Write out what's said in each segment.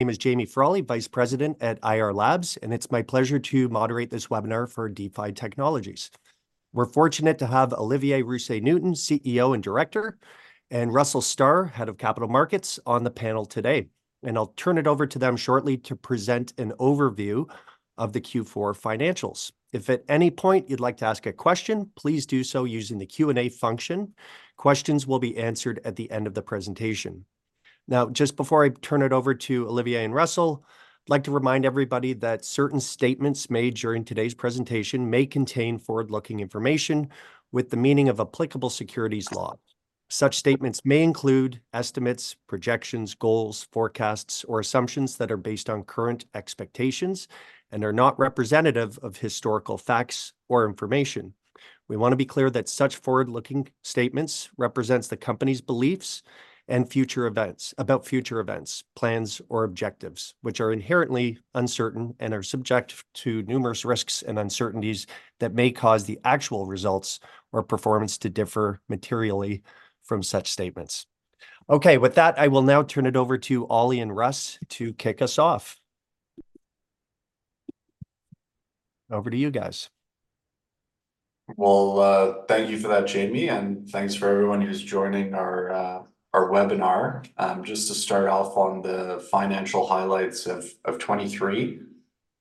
name is Jamie Frawley, Vice President at IR Labs, and it's my pleasure to moderate this webinar for DeFi Technologies. We're fortunate to have Olivier Roussy Newton, CEO and Director, and Russell Starr, Head of Capital Markets, on the panel today, and I'll turn it over to them shortly to present an overview of the Q4 financials. If at any point you'd like to ask a question, please do so using the Q&A function. Questions will be answered at the end of the presentation. Now, just before I turn it over to Olivier and Russell, I'd like to remind everybody that certain statements made during today's presentation may contain forward-looking information with the meaning of applicable securities law. Such statements may include estimates, projections, goals, forecasts, or assumptions that are based on current expectations and are not representative of historical facts or information. We want to be clear that such forward-looking statements represent the company's beliefs and future events about future events, plans, or objectives, which are inherently uncertain and are subject to numerous risks and uncertainties that may cause the actual results or performance to differ materially from such statements. Okay, with that, I will now turn it over to Ollie and Russ to kick us off. Over to you guys. Well, thank you for that, Jamie, and thanks for everyone who's joining our webinar. Just to start off on the financial highlights of 2023.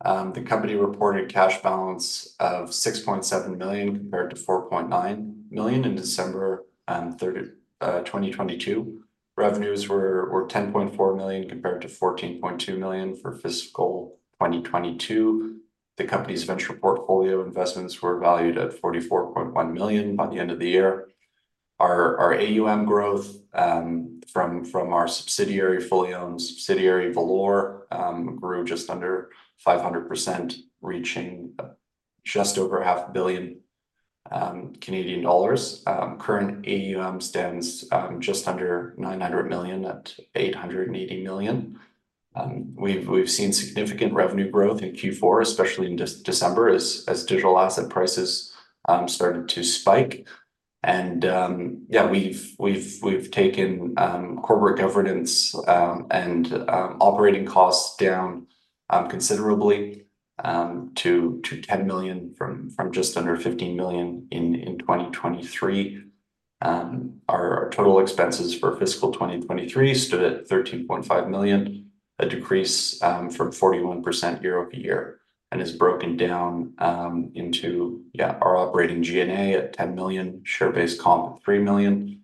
The company reported cash balance of 6.7 million compared to 4.9 million in December 30, 2022. Revenues were 10.4 million compared to 14.2 million for fiscal 2022. The company's venture portfolio investments were valued at 44.1 million by the end of the year. Our AUM growth from our fully owned subsidiary Valour grew under 500%, reaching just over half a billion Canadian dollars. Current AUM stands just under 900 million at 880 million. We've seen significant revenue growth in Q4, especially in December, as digital asset prices started to spike. Yeah, we've taken corporate governance and operating costs down considerably to 10 million from just under 15 million in 2023. Our total expenses for fiscal 2023 stood at 13.5 million, a decrease from 41% year-over-year, and is broken down into our operating G&A at 10 million, share-based comp at 3 million,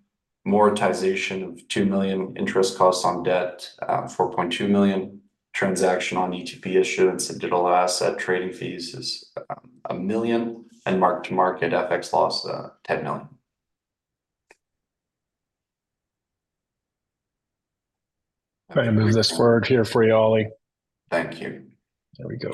amortization of 2 million, interest costs on debt 4.2 million, transactions on ETP issuance and digital asset trading fees is 1 million, and mark-to-market FX loss 10 million. Can I move this forward here for you, Ollie? Thank you. There we go.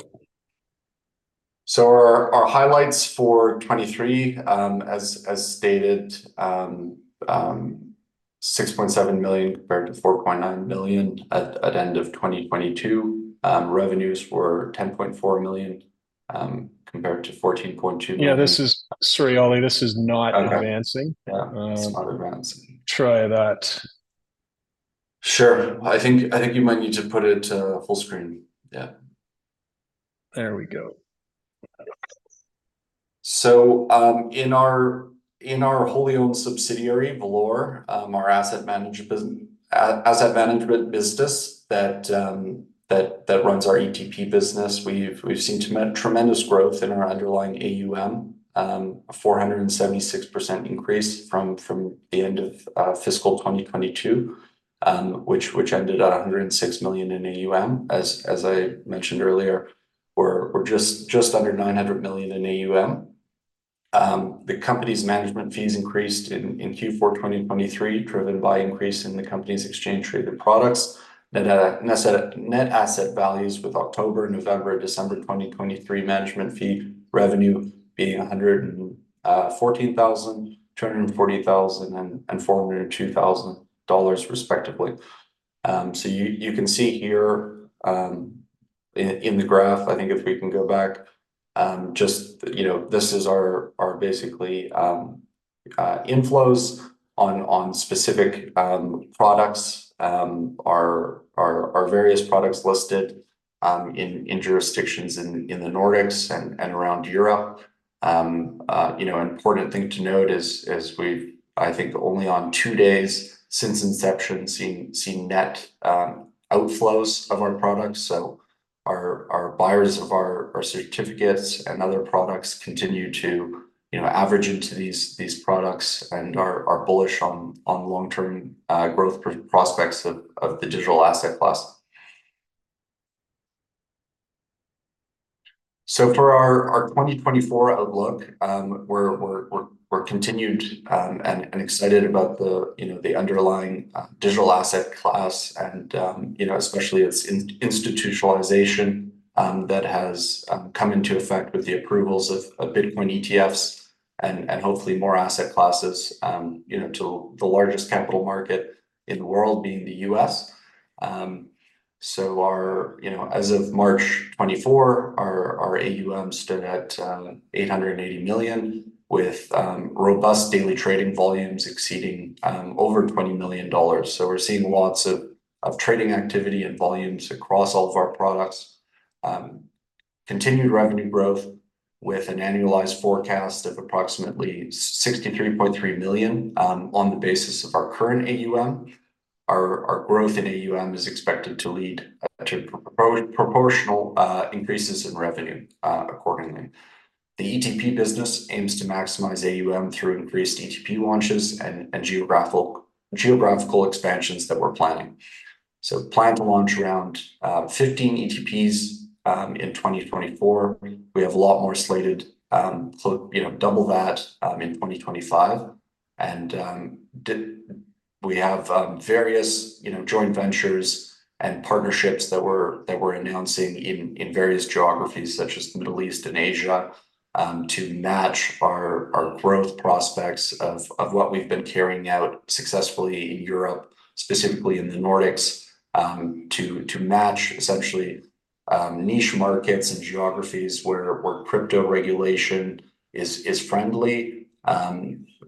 So our highlights for 2023, as stated, 6.7 million compared to 4.9 million at end of 2022. Revenues were 10.4 million, compared to 14.2 million. Yeah, this is sorry, Ollie, this is not advancing. Okay. Yeah, it's not advancing. Try that. Sure. I think you might need to put it to full screen. Yeah. There we go. So, in our wholly owned subsidiary, Valour, our asset management business asset management business that runs our ETP business, we've seen tremendous growth in our underlying AUM, a 476% increase from the end of fiscal 2022, which ended at $106 million in AUM. As I mentioned earlier, we're just under $900 million in AUM. The company's management fees increased in Q4 2023, driven by increase in the company's exchange-traded products, net asset values with October, November, and December 2023 management fee revenue being $114,000, $240,000, and $402,000, respectively. So you can see here, in the graph, I think if we can go back, just, you know, this is our basically inflows on specific products, our various products listed in jurisdictions in the Nordics and around Europe. You know, important thing to note is we've, I think, only on two days since inception seen net outflows of our products. So our buyers of our certificates and other products continue to, you know, average into these products and are bullish on long-term growth prospects of the digital asset class. So for our 2024 outlook, we're continued and excited about the, you know, the underlying digital asset class and, you know, especially its institutionalization that has come into effect with the approvals of Bitcoin ETFs and hopefully more asset classes, you know, to the largest capital market in the world, being the U.S. So our, you know, as of March 2024, our AUM stood at $880 million with robust daily trading volumes exceeding over $20 million. So we're seeing lots of trading activity and volumes across all of our products, continued revenue growth with an annualized forecast of approximately 63.3 million, on the basis of our current AUM. Our growth in AUM is expected to lead to proportional increases in revenue, accordingly. The ETP business aims to maximize AUM through increased ETP launches and geographical expansions that we're planning. So plan to launch around 15 ETPs in 2024. We have a lot more slated, you know, double that, in 2025. And we have various, you know, joint ventures and partnerships that we're announcing in various geographies such as the Middle East and Asia, to match our growth prospects of what we've been carrying out successfully in Europe, specifically in the Nordics, to match essentially niche markets and geographies where crypto regulation is friendly.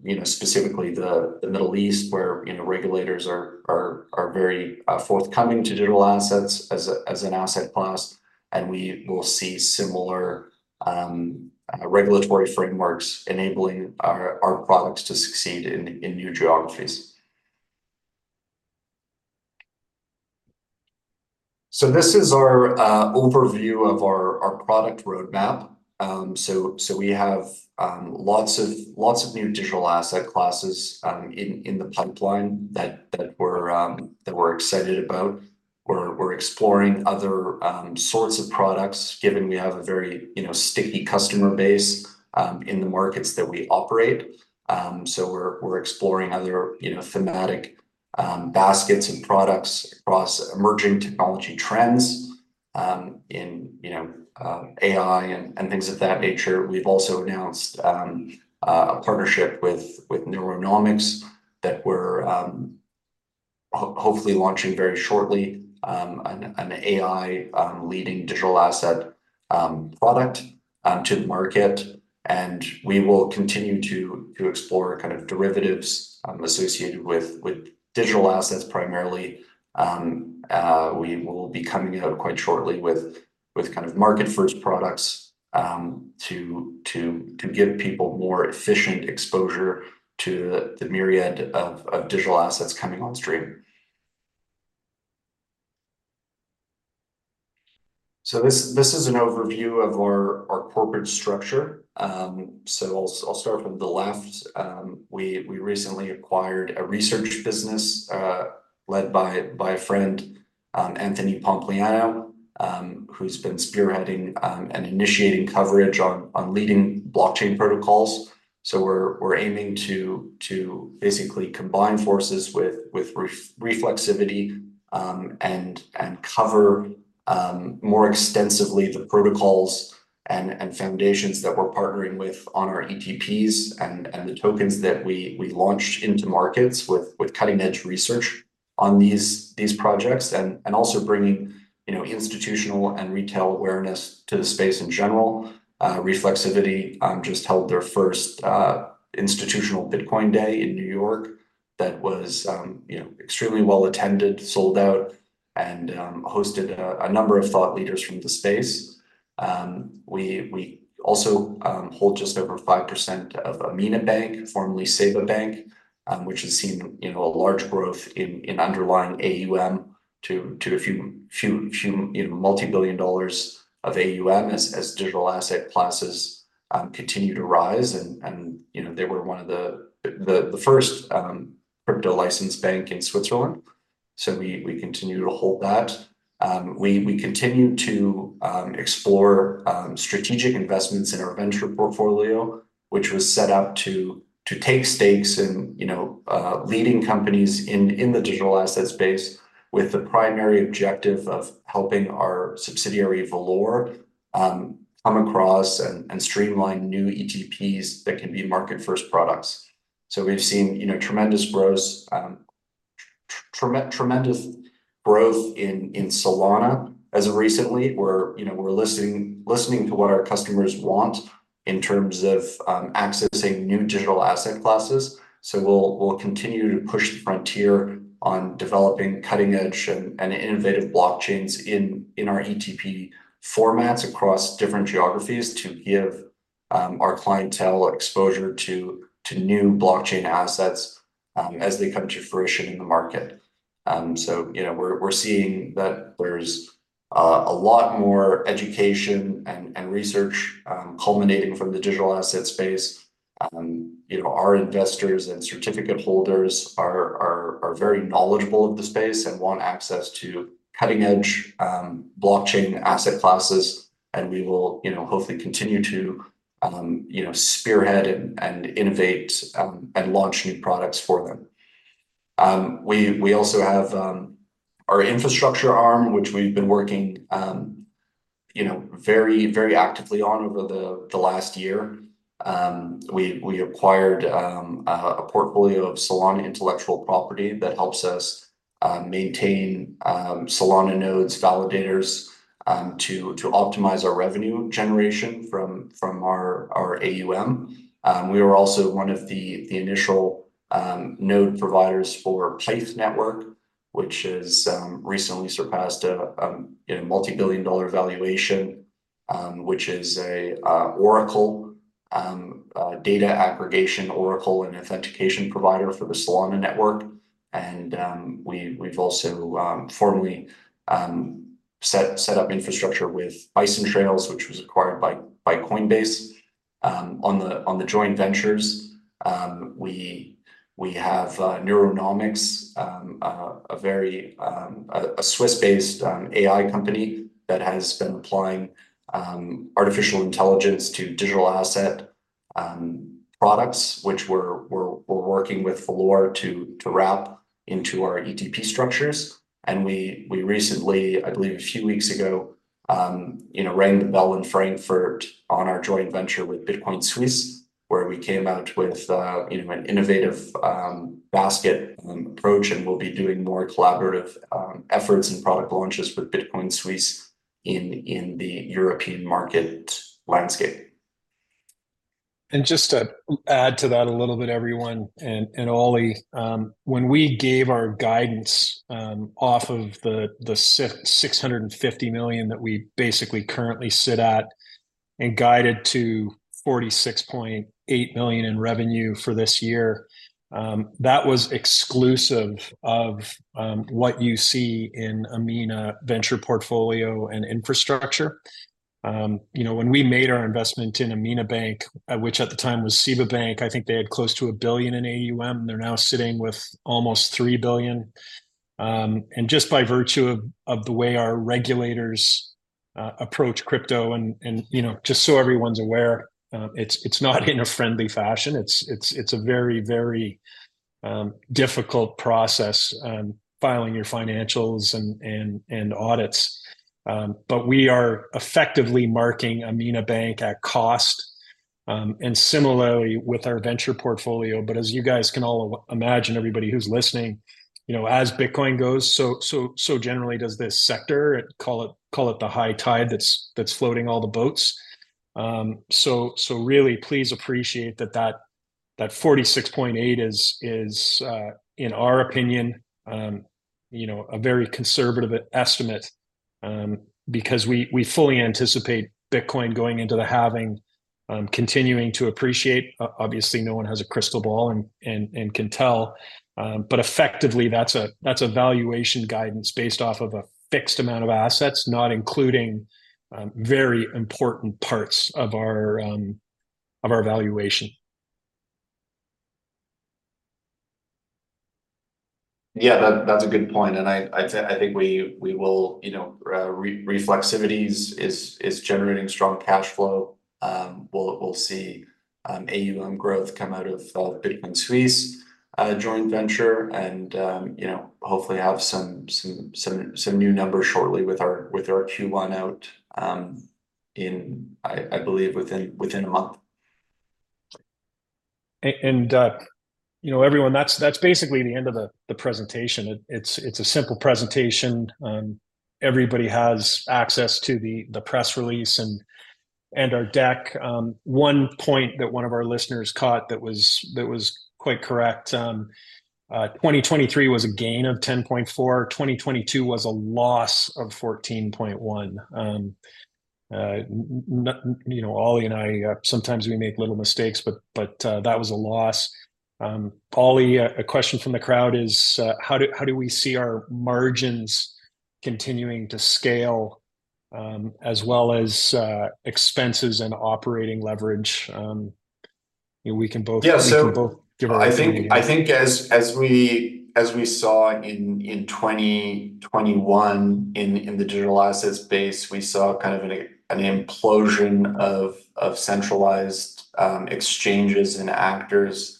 You know, specifically the Middle East where, you know, regulators are very forthcoming to digital assets as an asset class, and we will see similar regulatory frameworks enabling our products to succeed in new geographies. So this is our overview of our product roadmap. So we have lots of new digital asset classes in the pipeline that we're excited about. We're exploring other sorts of products, given we have a very, you know, sticky customer base in the markets that we operate. So we're exploring other, you know, thematic baskets of products across emerging technology trends in, you know, AI and things of that nature. We've also announced a partnership with Neuronomics that we're hopefully launching very shortly, an AI leading digital asset product to the market. We will continue to explore kind of derivatives associated with digital assets primarily. We will be coming out quite shortly with kind of market-first products to give people more efficient exposure to the myriad of digital assets coming on stream. This is an overview of our corporate structure. So I'll start from the left. We recently acquired a research business led by a friend, Anthony Pompliano, who's been spearheading and initiating coverage on leading blockchain protocols. So we're aiming to basically combine forces with Reflexivity, and cover more extensively the protocols and foundations that we're partnering with on our ETPs and the tokens that we launched into markets with cutting-edge research on these projects and also bringing, you know, institutional and retail awareness to the space in general. Reflexivity just held their first institutional Bitcoin Day in New York that was, you know, extremely well attended, sold out, and hosted a number of thought leaders from the space. We also hold just over 5% of AMINA Bank, formerly SEBA Bank, which has seen, you know, a large growth in underlying AUM to a few multibillion dollars of AUM as digital asset classes continue to rise. And you know, they were one of the first crypto-licensed bank in Switzerland. So we continue to hold that. We continue to explore strategic investments in our venture portfolio, which was set up to take stakes in, you know, leading companies in the digital asset space with the primary objective of helping our subsidiary Valour come across and streamline new ETPs that can be market-first products. So we've seen, you know, tremendous growth in Solana as of recently where, you know, we're listening to what our customers want in terms of accessing new digital asset classes. So we'll continue to push the frontier on developing cutting-edge and innovative blockchains in our ETP formats across different geographies to give our clientele exposure to new blockchain assets, as they come to fruition in the market. So, you know, we're seeing that there's a lot more education and research culminating from the digital asset space. You know, our investors and certificate holders are very knowledgeable of the space and want access to cutting-edge blockchain asset classes. We will, you know, hopefully continue to, you know, spearhead and innovate and launch new products for them. We also have our infrastructure arm, which we've been working, you know, very, very actively on over the last year. We acquired a portfolio of Solana intellectual property that helps us maintain Solana nodes, validators, to optimize our revenue generation from our AUM. We were also one of the initial node providers for Pyth Network, which has recently surpassed a multibillion-dollar valuation, which is an oracle data aggregation oracle and authentication provider for the Solana network. We've also formally set up infrastructure with Bison Trails, which was acquired by Coinbase, on the joint ventures. We have Neuronomics, a Swiss-based AI company that has been applying artificial intelligence to digital asset products, which we're working with Valour to wrap into our ETP structures. We recently, I believe a few weeks ago, you know, rang the bell in Frankfurt on our joint venture with Bitcoin Suisse, where we came out with, you know, an innovative basket approach and will be doing more collaborative efforts and product launches with Bitcoin Suisse in the European market landscape. And just to add to that a little bit, everyone, and Ollie, when we gave our guidance, off of the $650 million that we basically currently sit at and guided to $46.8 million in revenue for this year, that was exclusive of what you see in AMINA venture portfolio and infrastructure. You know, when we made our investment in AMINA Bank, which at the time was SEBA Bank, I think they had close to $1 billion in AUM, and they're now sitting with almost $3 billion. And just by virtue of the way our regulators approach crypto and, you know, just so everyone's aware, it's a very, very difficult process, filing your financials and audits. But we are effectively marking AMINA Bank at cost, and similarly with our venture portfolio. As you guys can all imagine, everybody who's listening, you know, as Bitcoin goes, so generally does this sector, call it the high tide that's floating all the boats. So really please appreciate that 46.8 is, in our opinion, you know, a very conservative estimate, because we fully anticipate Bitcoin going into the halving, continuing to appreciate. Obviously, no one has a crystal ball and can tell, but effectively that's a valuation guidance based off of a fixed amount of assets, not including very important parts of our valuation. Yeah, that's a good point. I think we will, you know, see Reflexivity is generating strong cash flow. We'll see AUM growth come out of Bitcoin Suisse joint venture and, you know, hopefully have some new numbers shortly with our Q1 out, I believe within a month. You know, everyone, that's basically the end of the presentation. It's a simple presentation. Everybody has access to the press release and our deck. One point that one of our listeners caught that was quite correct, 2023 was a gain of 10.4%. 2022 was a loss of 14.1%. You know, Ollie and I sometimes make little mistakes, but that was a loss. Ollie, a question from the crowd is, how do we see our margins continuing to scale, as well as expenses and operating leverage? You know, we can both give our answers. Yeah. So I think as we saw in 2021 in the digital assets space, we saw kind of an implosion of centralized exchanges and actors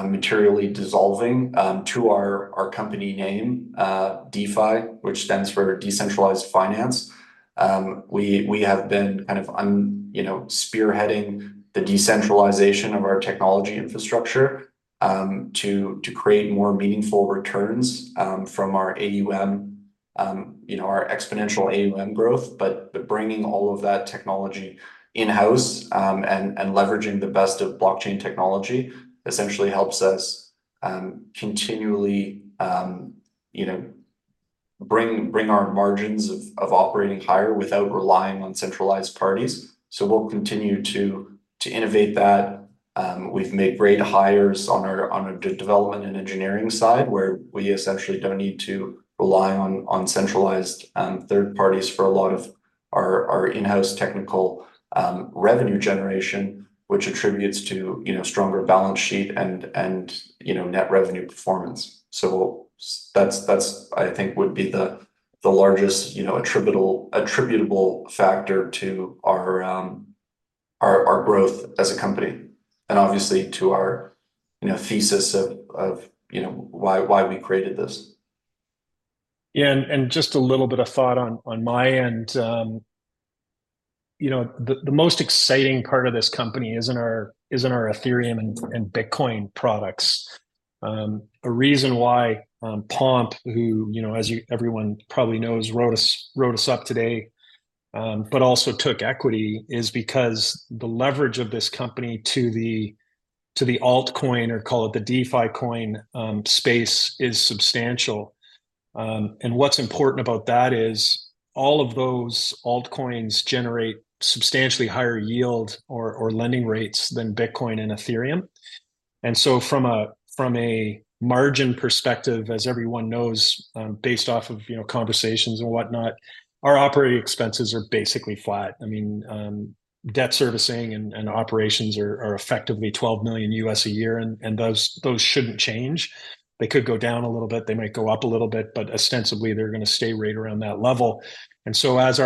materially dissolving to our company name, DeFi, which stands for decentralized finance. We have been kind of, you know, spearheading the decentralization of our technology infrastructure to create more meaningful returns from our AUM, you know, our exponential AUM growth. But bringing all of that technology in-house and leveraging the best of blockchain technology essentially helps us continually, you know, bring our margins of operating higher without relying on centralized parties. So we'll continue to innovate that. We've made great hires on our development and engineering side where we essentially don't need to rely on centralized, third parties for a lot of our in-house technical, revenue generation, which attributes to, you know, stronger balance sheet and net revenue performance. So that's, I think, would be the largest, you know, attributable factor to our growth as a company and obviously to our, you know, thesis of, you know, why we created this. Yeah. And just a little bit of thought on my end, you know, the most exciting part of this company is in our Ethereum and Bitcoin products. A reason why, Pomp, who, you know, as you everyone probably knows, wrote us up today, but also took equity is because the leverage of this company to the altcoin or call it the DeFi coin space is substantial. And what's important about that is all of those altcoins generate substantially higher yield or lending rates than Bitcoin and Ethereum. And so from a margin perspective, as everyone knows, based off of, you know, conversations and whatnot, our operating expenses are basically flat. I mean, debt servicing and operations are effectively $12 million a year. And those shouldn't change. They could go down a little bit. They might go up a little bit, but ostensibly they're going to stay right around that level. And so as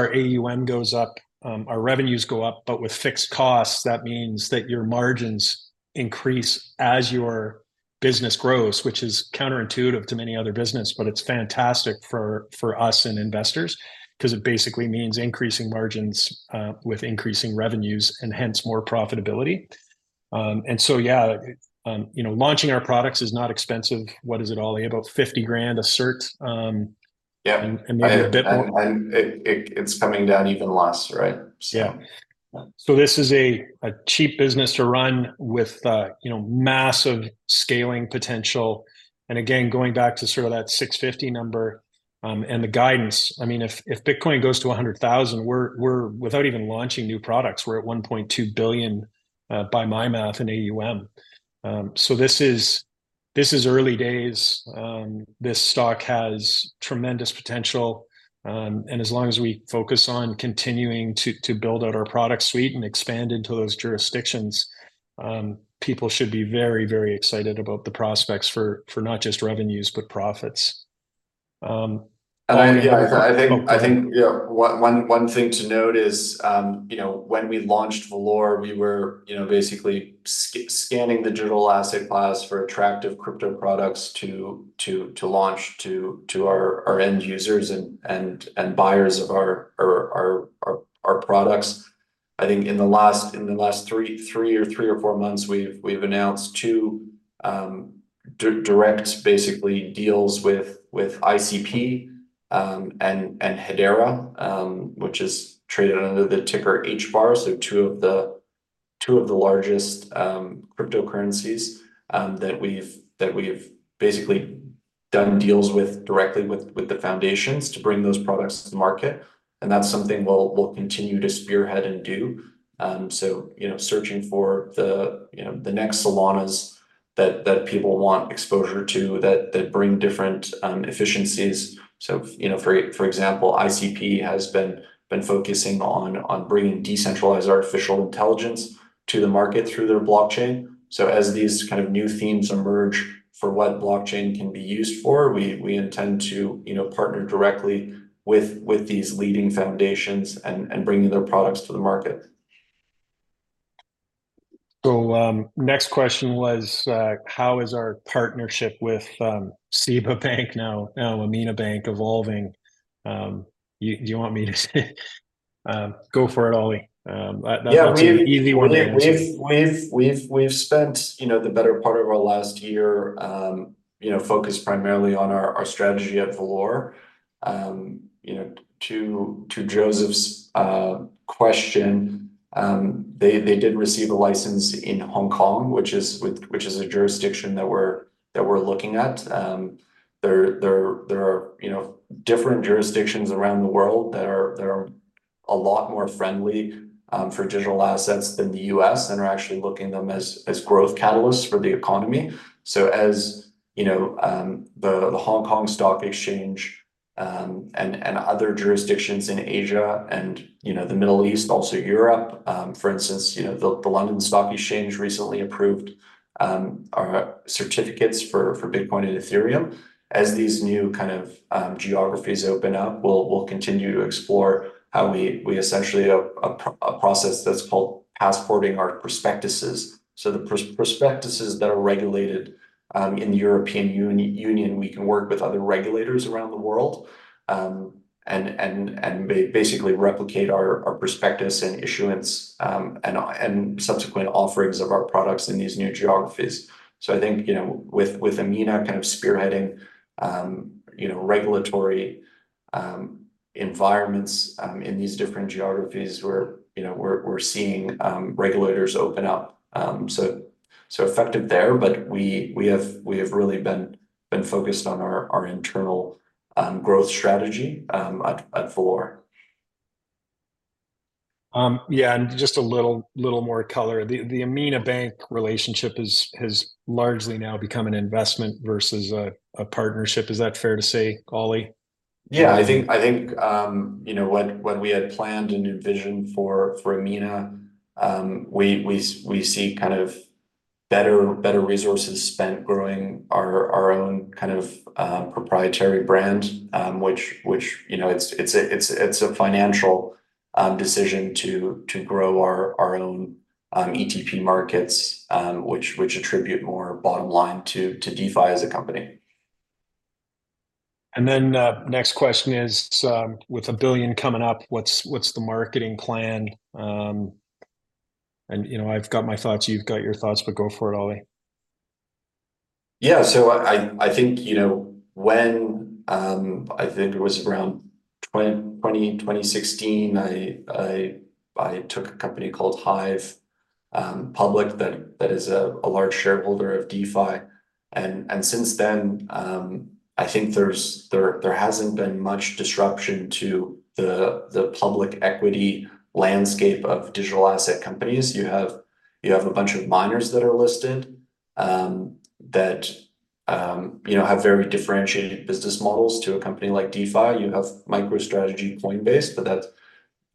our AUM goes up, our revenues go up, but with fixed costs, that means that your margins increase as your business grows, which is counterintuitive to many other businesses. But it's fantastic for, for us and investors because it basically means increasing margins, with increasing revenues and hence more profitability. And so, yeah, you know, launching our products is not expensive. What is it, Ollie? About $50,000 a cert, and maybe a bit more. Yeah. It's coming down even less, right? Yeah. So this is a cheap business to run with, you know, massive scaling potential. And again, going back to sort of that $650 number, and the guidance, I mean, if Bitcoin goes to $100,000, we're without even launching new products, we're at $1.2 billion, by my math, in AUM. So this is early days. This stock has tremendous potential. And as long as we focus on continuing to build out our product suite and expand into those jurisdictions, people should be very, very excited about the prospects for not just revenues, but profits. I think, yeah, one thing to note is, you know, when we launched Valour, we were, you know, basically scanning the digital asset class for attractive crypto products to launch to our end users and buyers of our products. I think in the last three or four months, we've announced two direct deals with ICP and Hedera, which is traded under the ticker HBAR. So two of the largest cryptocurrencies that we've basically done deals with directly with the foundations to bring those products to the market. And that's something we'll continue to spearhead and do. So, you know, searching for the next Solanas that people want exposure to that bring different efficiencies. So, you know, for example, ICP has been focusing on bringing decentralized artificial intelligence to the market through their blockchain. So as these kind of new themes emerge for what blockchain can be used for, we intend to, you know, partner directly with these leading foundations and bringing their products to the market. So, next question was, how is our partnership with SEBA Bank, now AMINA Bank, evolving? Do you want me to say, go for it, Ollie? That's an easy one to answer. Yeah. We've spent, you know, the better part of our last year, you know, focused primarily on our strategy at Valour. You know, to Joseph's question, they did receive a license in Hong Kong, which is a jurisdiction that we're looking at. There are, you know, different jurisdictions around the world that are a lot more friendly for digital assets than the US and are actually looking at them as growth catalysts for the economy. So, you know, the Hong Kong Stock Exchange, and other jurisdictions in Asia and, you know, the Middle East, also Europe, for instance, you know, the London Stock Exchange recently approved our certificates for Bitcoin and Ethereum. As these new kind of geographies open up, we'll continue to explore how we essentially a process that's called passporting our prospectuses. So the prospectuses that are regulated in the European Union, we can work with other regulators around the world, and basically replicate our prospectus and issuance and subsequent offerings of our products in these new geographies. So I think, you know, with Amina kind of spearheading, you know, regulatory environments in these different geographies where, you know, we're seeing regulators open up, so effective there. But we have really been focused on our internal growth strategy at Valour. Yeah. And just a little, little more color. The, the AMINA Bank relationship has, has largely now become an investment versus a, a partnership. Is that fair to say, Ollie? Yeah. I think, you know, what we had planned and envisioned for AMINA, we see kind of better resources spent growing our own proprietary brand, which, you know, it's a financial decision to grow our own ETP markets, which attribute more bottom line to DeFi as a company. Then, next question is, with $1 billion coming up, what's the marketing plan? And, you know, I've got my thoughts. You've got your thoughts, but go for it, Ollie. Yeah. So I think, you know, when I think it was around 2020, 2016, I took a company called Hive public that is a large shareholder of DeFi. And since then, I think there hasn't been much disruption to the public equity landscape of digital asset companies. You have a bunch of miners that are listed that, you know, have very differentiated business models to a company like DeFi. You have MicroStrategy, Coinbase, but that's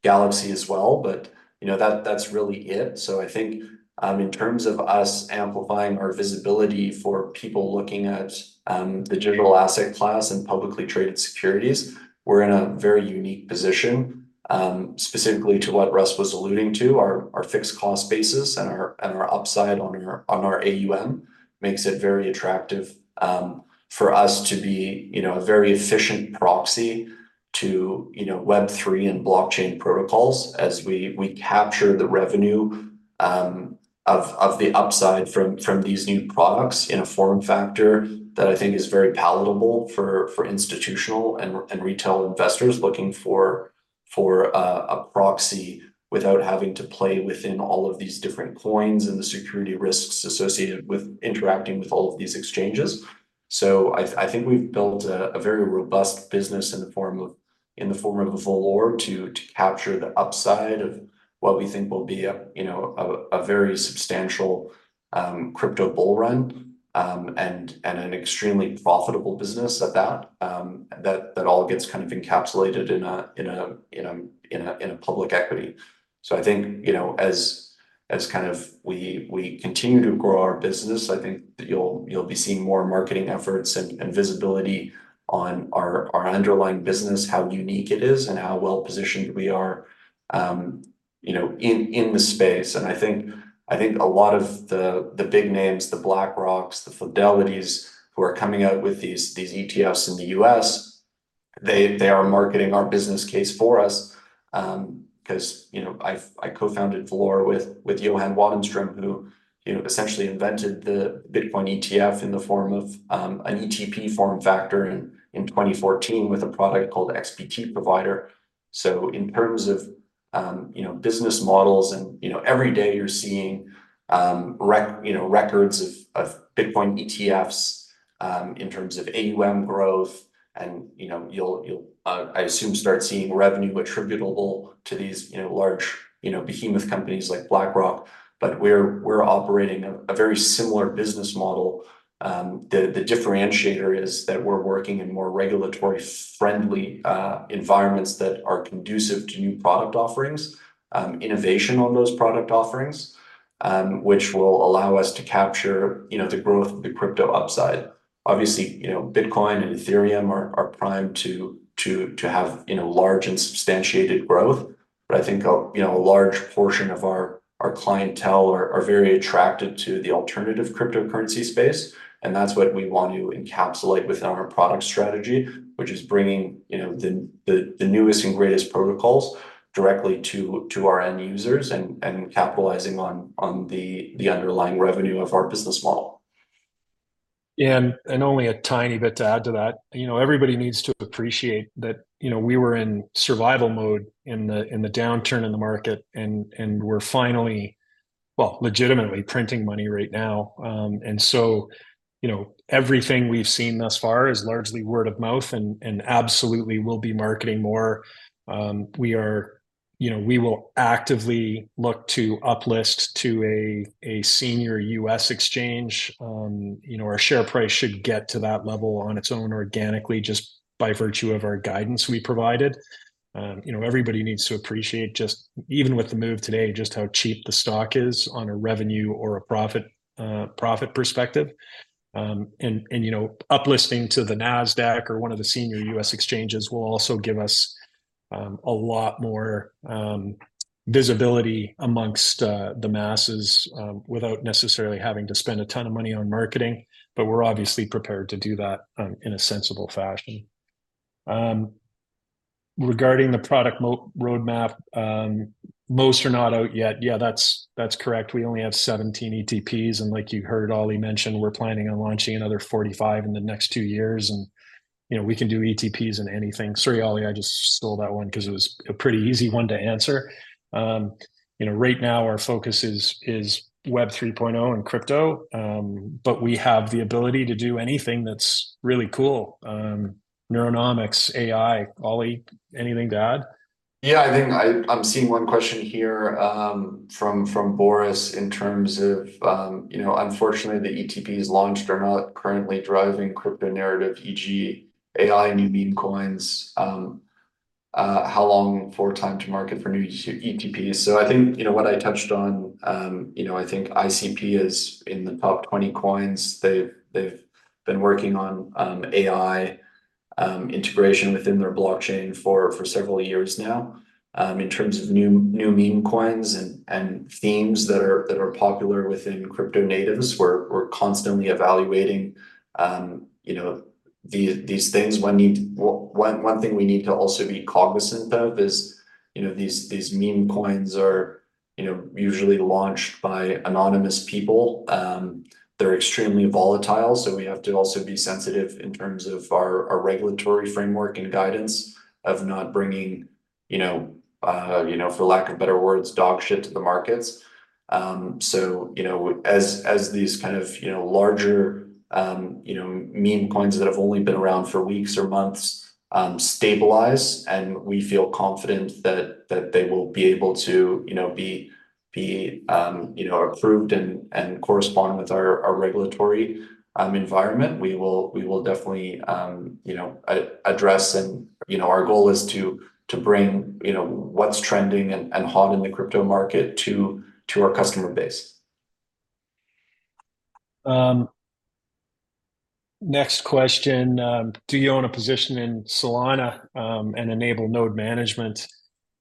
Galaxy as well. But, you know, that's really it. So I think, in terms of us amplifying our visibility for people looking at the digital asset class and publicly traded securities, we're in a very unique position, specifically to what Russ was alluding to. Our fixed cost basis and our upside on our AUM makes it very attractive for us to be, you know, a very efficient proxy to, you know, Web3 and blockchain protocols as we capture the revenue of the upside from these new products in a form factor that I think is very palatable for institutional and retail investors looking for a proxy without having to play within all of these different coins and the security risks associated with interacting with all of these exchanges. So I think we've built a very robust business in the form of Valour to capture the upside of what we think will be a, you know, a very substantial crypto bull run, and an extremely profitable business at that, that all gets kind of encapsulated in a public equity. So I think, you know, as we continue to grow our business, I think that you'll be seeing more marketing efforts and visibility on our underlying business, how unique it is and how well positioned we are, you know, in the space. And I think a lot of the big names, the BlackRocks, the Fidelities who are coming out with these ETFs in the U.S., they are marketing our business case for us, because, you know, I co-founded Valour with Johan Wattenström, who, you know, essentially invented the Bitcoin ETF in the form of an ETP form factor in 2014 with a product called XBT Provider. So in terms of, you know, business models and, you know, every day you're seeing you know records of Bitcoin ETFs in terms of AUM growth. And, you know, you'll, I assume, start seeing revenue attributable to these, you know, large, you know, behemoth companies like BlackRock. But we're operating a very similar business model. The differentiator is that we're working in more regulatory-friendly environments that are conducive to new product offerings, innovation on those product offerings, which will allow us to capture, you know, the growth of the crypto upside. Obviously, you know, Bitcoin and Ethereum are primed to have, you know, large and substantiated growth. But I think, you know, a large portion of our clientele are very attracted to the alternative cryptocurrency space. And that's what we want to encapsulate within our product strategy, which is bringing, you know, the newest and greatest protocols directly to our end users and capitalizing on the underlying revenue of our business model. Yeah. And only a tiny bit to add to that, you know, everybody needs to appreciate that, you know, we were in survival mode in the downturn in the market and we're finally, well, legitimately printing money right now. And so, you know, everything we've seen thus far is largely word of mouth and absolutely will be marketing more. We are, you know, we will actively look to uplist to a senior U.S. exchange. You know, our share price should get to that level on its own organically just by virtue of our guidance we provided. You know, everybody needs to appreciate just even with the move today, just how cheap the stock is on a revenue or a profit perspective. You know, uplisting to the Nasdaq or one of the senior U.S. exchanges will also give us a lot more visibility among the masses, without necessarily having to spend a ton of money on marketing. But we're obviously prepared to do that in a sensible fashion. Regarding the product roadmap, most are not out yet. Yeah, that's correct. We only have 17 ETPs. And you know, we can do ETPs and anything. Sorry, Ollie, I just stole that one because it was a pretty easy one to answer. You know, right now our focus is Web3 and crypto. But we have the ability to do anything that's really cool. Neuronomics, AI. Ollie, anything to add? Yeah. I think I'm seeing one question here, from Boris in terms of, you know, unfortunately, the ETPs launched are not currently driving crypto narrative, e.g., AI, new meme coins. How long for time to market for new ETPs? So I think, you know, what I touched on, you know, I think ICP is in the top 20 coins. They've been working on AI integration within their blockchain for several years now. In terms of new meme coins and themes that are popular within crypto natives, we're constantly evaluating these things. One thing we need to also be cognizant of is, you know, these meme coins are usually launched by anonymous people. They're extremely volatile. So we have to also be sensitive in terms of our regulatory framework and guidance of not bringing, you know, for lack of better words, dog shit to the markets. So, you know, as these kind of larger, you know, meme coins that have only been around for weeks or months stabilize and we feel confident that they will be able to, you know, be approved and correspond with our regulatory environment, we will definitely, you know, address and, you know, our goal is to bring, you know, what's trending and hot in the crypto market to our customer base. Next question. Do you own a position in Solana, and enable node management?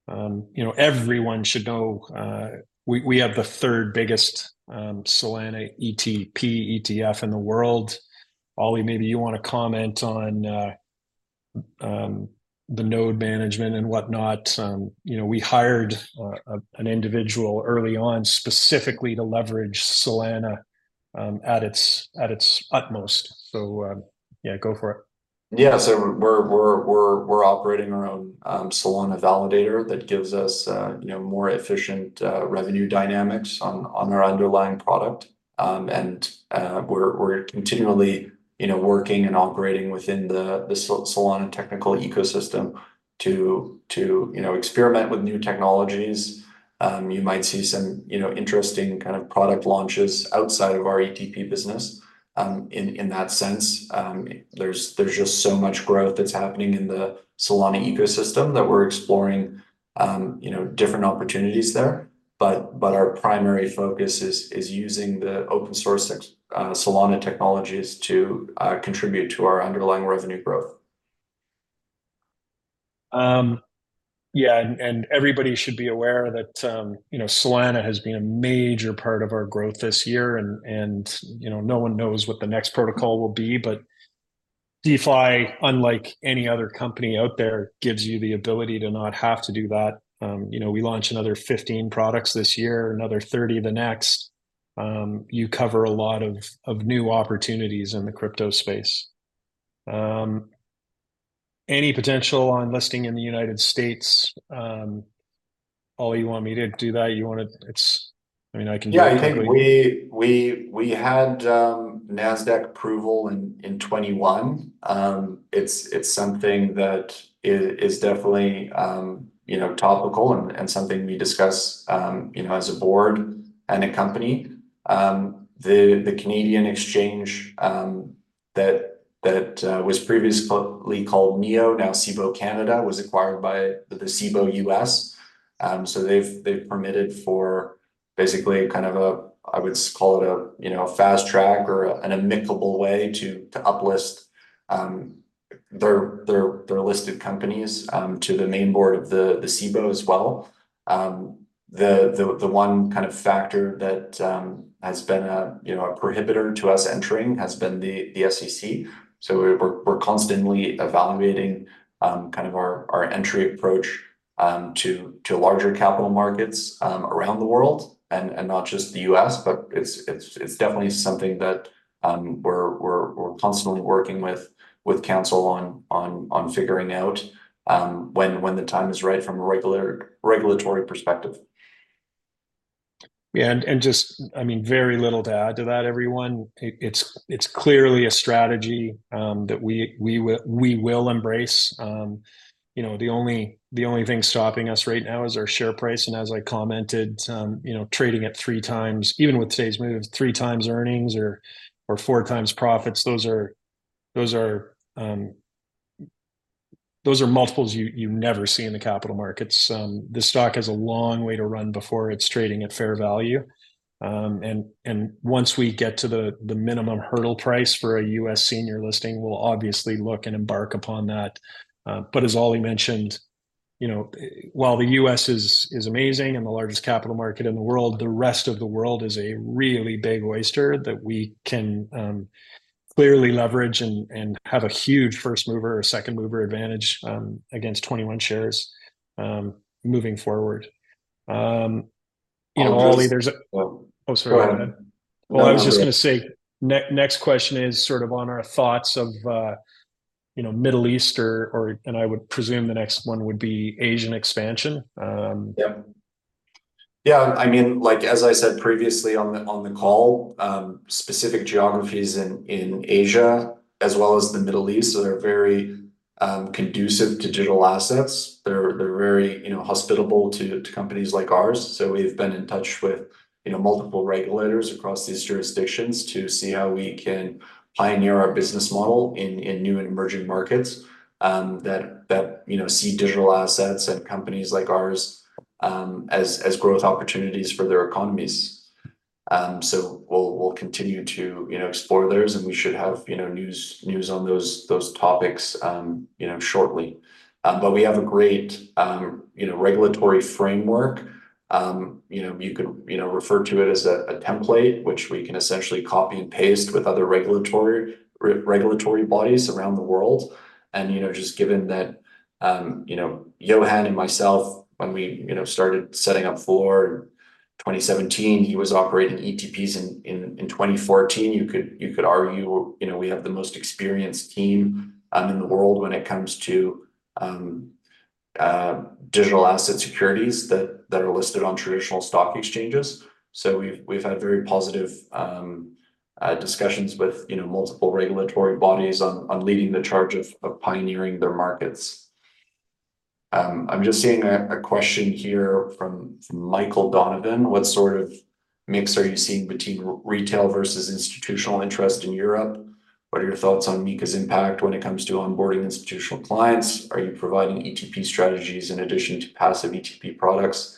You know, everyone should know, we have the third biggest Solana ETP ETF in the world. Ollie, maybe you want to comment on the node management and whatnot. You know, we hired an individual early on specifically to leverage Solana at its utmost. So, yeah, go for it. Yeah. So we're operating our own Solana validator that gives us, you know, more efficient revenue dynamics on our underlying product. We're continually, you know, working and operating within the Solana technical ecosystem to, you know, experiment with new technologies. You might see some, you know, interesting kind of product launches outside of our ETP business, in that sense. There's just so much growth that's happening in the Solana ecosystem that we're exploring, you know, different opportunities there. But our primary focus is using the open-source Solana technologies to contribute to our underlying revenue growth. Yeah. And everybody should be aware that, you know, Solana has been a major part of our growth this year. And, you know, no one knows what the next protocol will be. But DeFi, unlike any other company out there, gives you the ability to not have to do that. You know, we launch another 15 products this year, another 30 the next. You cover a lot of, of new opportunities in the crypto space. Any potential on listing in the United States? Ollie, you want me to do that? You want to it's I mean, I can do it quickly. Yeah. I think we had Nasdaq approval in 2021. It's something that is definitely, you know, topical and something we discuss, you know, as a board and a company. The Canadian exchange, that was previously called NEO, now Cboe Canada, was acquired by the Cboe U.S. So they've permitted for basically kind of a, I would call it a, you know, a fast track or an amicable way to uplist their listed companies to the main board of the Cboe as well. The one kind of factor that has been a, you know, a prohibitor to us entering has been the SEC. So we're constantly evaluating kind of our entry approach to larger capital markets around the world and not just the US. It's definitely something that we're constantly working with counsel on figuring out when the time is right from a regular regulatory perspective. Yeah. And just, I mean, very little to add to that, everyone. It's clearly a strategy that we will embrace. You know, the only thing stopping us right now is our share price. And as I commented, you know, trading at three times, even with today's move, three times earnings or four times profits, those are multiples you never see in the capital markets. This stock has a long way to run before it's trading at fair value. And once we get to the minimum hurdle price for a U.S. senior listing, we'll obviously look and embark upon that. But as Ollie mentioned, you know, while the U.S. is amazing and the largest capital market in the world, the rest of the world is a really big oyster that we can clearly leverage and have a huge first mover or second mover advantage against 21Shares, moving forward. You know, Ollie, there's a, oh, sorry. Go ahead. Well, I was just going to say next question is sort of on our thoughts of, you know, Middle East or and I would presume the next one would be Asian expansion. Yep. Yeah. I mean, like as I said previously on the call, specific geographies in Asia as well as the Middle East are very conducive to digital assets. They're very, you know, hospitable to companies like ours. So we've been in touch with, you know, multiple regulators across these jurisdictions to see how we can pioneer our business model in new and emerging markets, that you know, see digital assets and companies like ours, as growth opportunities for their economies. So we'll continue to, you know, explore theirs. And we should have, you know, news on those topics, you know, shortly. But we have a great, you know, regulatory framework. You know, you can, you know, refer to it as a template, which we can essentially copy and paste with other regulatory bodies around the world. You know, just given that, you know, Johan and myself, when we, you know, started setting up Valour in 2017, he was operating ETPs in, in, in 2014, you could you could argue, you know, we have the most experienced team, in the world when it comes to, digital asset securities that, that are listed on traditional stock exchanges. So we've, we've had very positive, discussions with, you know, multiple regulatory bodies on, on leading the charge of, of pioneering their markets. I'm just seeing a, a question here from, from Michael Donovan. What sort of mix are you seeing between retail versus institutional interest in Europe? What are your thoughts on MiCA's impact when it comes to onboarding institutional clients? Are you providing ETP strategies in addition to passive ETP products?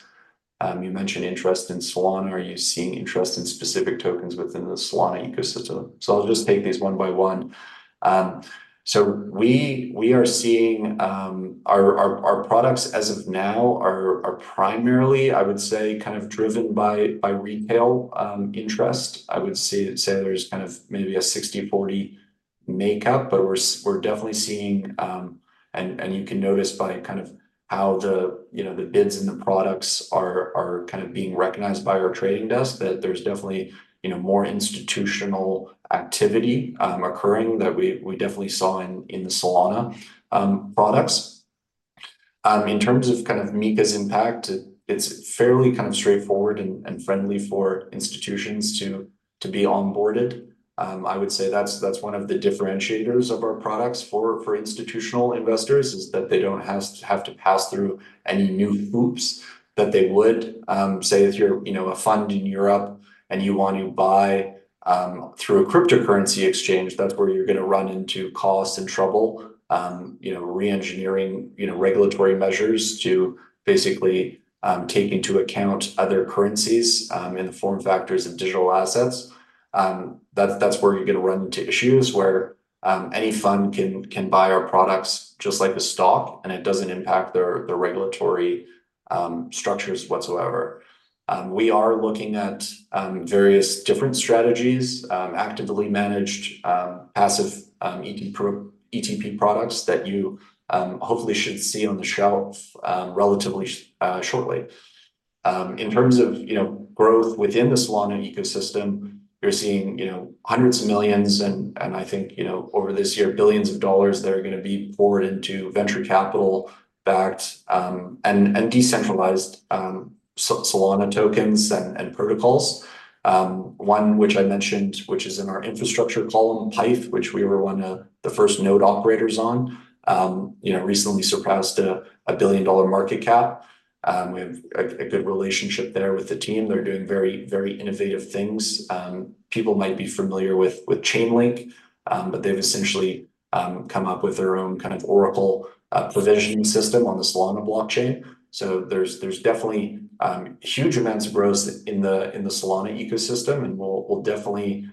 You mentioned interest in Solana. Are you seeing interest in specific tokens within the Solana ecosystem? So I'll just take these one-by-one. So we are seeing our products as of now are primarily, I would say, kind of driven by retail interest. I would say there's kind of maybe a 60/40 makeup, but we're definitely seeing, and you can notice by kind of how, you know, the bids and the products are kind of being recognized by our trading desk that there's definitely, you know, more institutional activity occurring that we definitely saw in the Solana products. In terms of kind of MiCA's impact, it's fairly kind of straightforward and friendly for institutions to be onboarded. I would say that's one of the differentiators of our products for institutional investors is that they don't have to pass through any new hoops that they would, say if you're, you know, a fund in Europe and you want to buy through a cryptocurrency exchange. That's where you're going to run into cost and trouble, you know, re-engineering, you know, regulatory measures to basically take into account other currencies in the form factors of digital assets. That's where you're going to run into issues where any fund can buy our products just like a stock, and it doesn't impact their regulatory structures whatsoever. We are looking at various different strategies, actively managed, passive, ETP products that you hopefully should see on the shelf relatively shortly. In terms of, you know, growth within the Solana ecosystem, you're seeing, you know, hundreds of millions and, and I think, you know, over this year, billions of dollars that are going to be poured into venture capital-backed and decentralized Solana tokens and protocols. One which I mentioned, which is in our infrastructure column, Pyth, which we were one of the first node operators on, you know, recently surpassed a $1 billion market cap. We have a good relationship there with the team. They're doing very, very innovative things. People might be familiar with Chainlink, but they've essentially come up with their own kind of Oracle provisioning system on the Solana blockchain. So there's definitely huge amounts of growth in the Solana ecosystem. We'll definitely,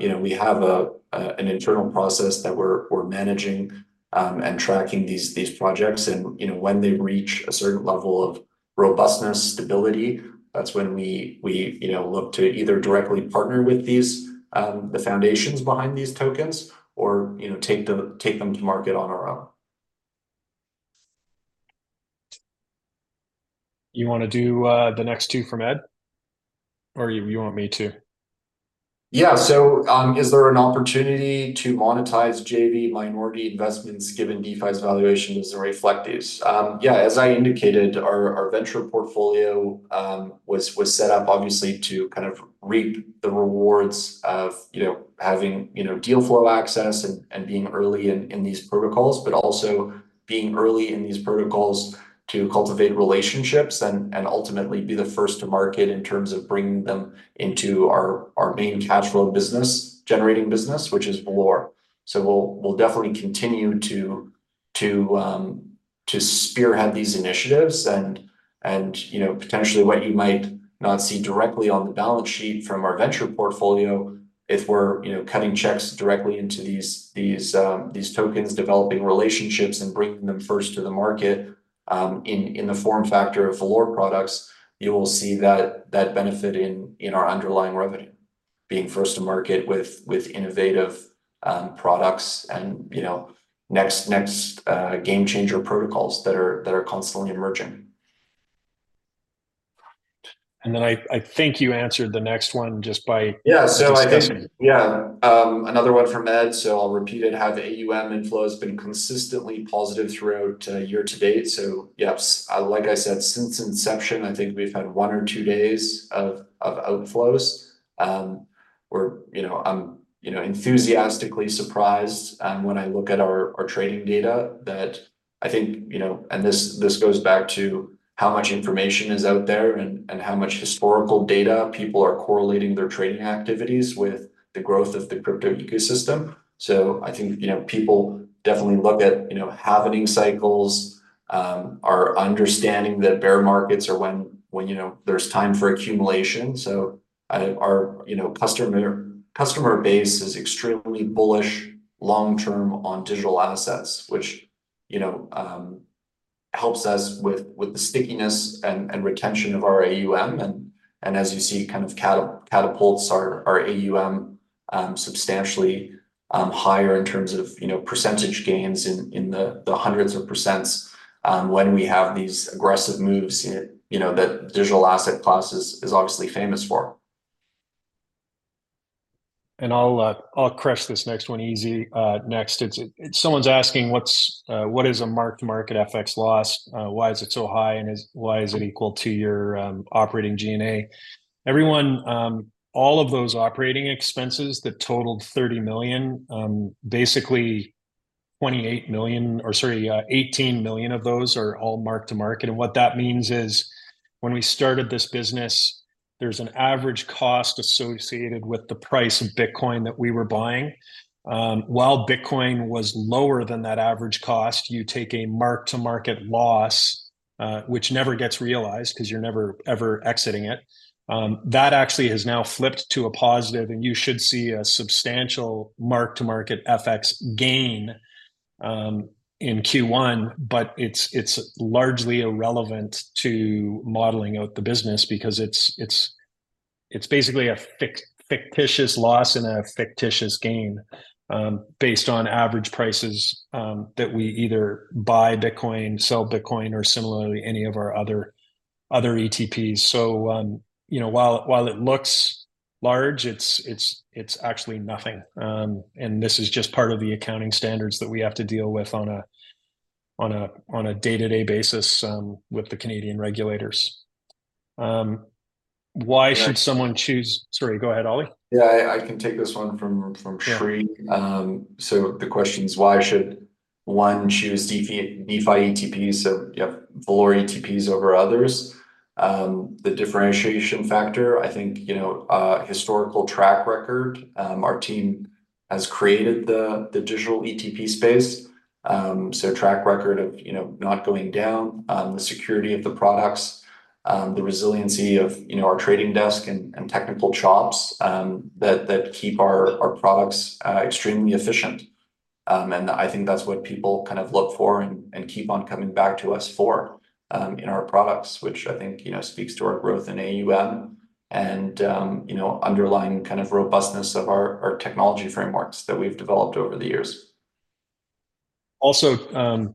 you know, have an internal process that we're managing and tracking these projects. You know, when they reach a certain level of robustness, stability, that's when we, you know, look to either directly partner with these foundations behind these tokens or, you know, take them to market on our own. You want to do the next two from Ed, or you want me to? Yeah. So, is there an opportunity to monetize JV minority investments given DeFi's valuation? Does it reflect these? Yeah. As I indicated, our venture portfolio was set up, obviously, to kind of reap the rewards of, you know, having, you know, deal flow access and being early in these protocols, but also being early in these protocols to cultivate relationships and ultimately be the first to market in terms of bringing them into our main cash flow business, generating business, which is Valour. So we'll definitely continue to spearhead these initiatives and, you know, potentially what you might not see directly on the balance sheet from our venture portfolio, if we're, you know, cutting checks directly into these tokens, developing relationships, and bringing them first to the market, in the form factor of Valour products, you will see that benefit in our underlying revenue. Being first to market with innovative products and, you know, next game-changer protocols that are constantly emerging. And then I think you answered the next one just by discussing. Yeah. So I think yeah, another one from Ed. So I'll repeat it. Have AUM inflows been consistently positive throughout year-to-date? So yep. Like I said, since inception, I think we've had one or two days of outflows. We're, you know, I'm, you know, enthusiastically surprised when I look at our trading data that I think, you know, and this goes back to how much information is out there and how much historical data people are correlating their trading activities with the growth of the crypto ecosystem. So I think, you know, people definitely look at, you know, halving cycles, our understanding that bear markets are when, you know, there's time for accumulation. So our, you know, customer base is extremely bullish long-term on digital assets, which, you know, helps us with the stickiness and retention of our AUM. As you see, it kind of catapults our AUM substantially higher in terms of, you know, percentage gains in the hundreds of %, when we have these aggressive moves in, you know, that digital asset class that is obviously famous for. And I'll crush this next one easy. Next, it's someone asking what is a mark-to-market FX loss? Why is it so high? And why is it equal to your operating G&A? All of those operating expenses that totaled 30 million, basically 28 million or sorry, 18 million of those are all mark-to-market. And what that means is when we started this business, there's an average cost associated with the price of Bitcoin that we were buying. While Bitcoin was lower than that average cost, you take a mark-to-market loss, which never gets realized because you're never, ever exiting it. That actually has now flipped to a positive, and you should see a substantial mark-to-market FX gain in Q1. But it's largely irrelevant to modeling out the business because it's basically a fictitious loss and a fictitious gain, based on average prices, that we either buy Bitcoin, sell Bitcoin, or similarly any of our other ETPs. So, you know, while it looks large, it's actually nothing. And this is just part of the accounting standards that we have to deal with on a day-to-day basis, with the Canadian regulators. Why should someone choose? Sorry, go ahead, Ollie. Yeah. I can take this one from Shree. So the question is why should one choose DeFi ETPs? So you have Valour ETPs over others. The differentiation factor, I think, you know, historical track record, our team has created the digital ETP space. So track record of, you know, not going down, the security of the products, the resiliency of, you know, our trading desk and technical chops, that keep our products extremely efficient. And I think that's what people kind of look for and keep on coming back to us for, in our products, which I think, you know, speaks to our growth in AUM and, you know, underlying kind of robustness of our technology frameworks that we've developed over the years. Also,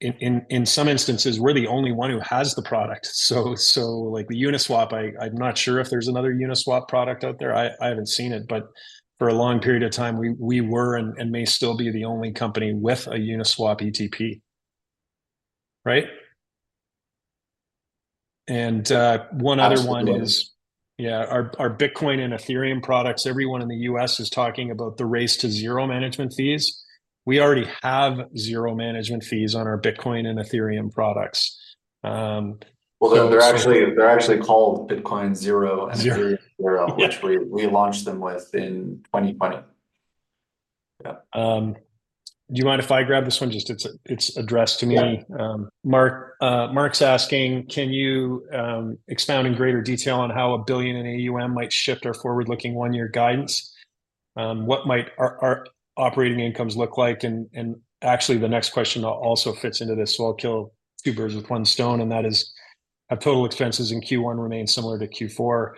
in some instances, we're the only one who has the product. So, like the Uniswap, I'm not sure if there's another Uniswap product out there. I haven't seen it. But for a long period of time, we were and may still be the only company with a Uniswap ETP. Right? And, one other one is. Absolutely. Yeah. Our Bitcoin and Ethereum products, everyone in the U.S. is talking about the race to zero management fees. We already have zero management fees on our Bitcoin and Ethereum products. Well, they're actually called Bitcoin Zero and Ethereum Zero, which we launched them with in 2020. Yeah. Do you mind if I grab this one? Just, it's addressed to me. Mark's asking, can you expound in greater detail on how $1 billion in AUM might shift our forward-looking one-year guidance? What might our operating incomes look like? And actually, the next question also fits into this, so I'll kill two birds with one stone. And that is, have total expenses in Q1 remain similar to Q4?